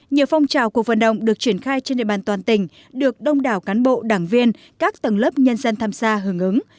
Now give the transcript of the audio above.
nhiều phong trào cuộc vận động được triển khai trên địa bàn toàn tỉnh được đông đảo cán bộ đảng viên các tầng lớp nhân dân tham gia hưởng ứng